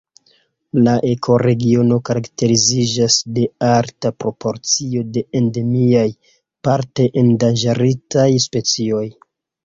La ekoregiono karakteriziĝas de alta proporcio de endemiaj, parte endanĝerigitaj specioj.